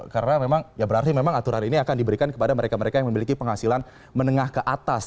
karena memang ya berarti memang aturan ini akan diberikan kepada mereka mereka yang memiliki penghasilan menengah ke atas